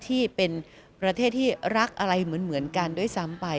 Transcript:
ที่เป็นประเทศที่รักอะไรเหมือนกันด้วยซ้ำไป